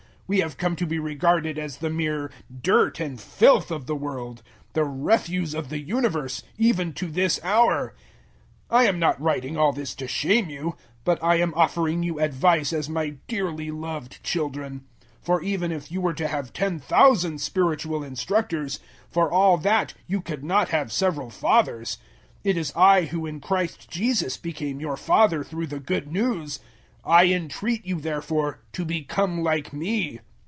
We have come to be regarded as the mere dirt and filth of the world the refuse of the universe, even to this hour. 004:014 I am not writing all this to shame you, but I am offering you advice as my dearly loved children. 004:015 For even if you were to have ten thousand spiritual instructors for all that you could not have several fathers. It is I who in Christ Jesus became your father through the Good News. 004:016 I entreat you therefore to become like me.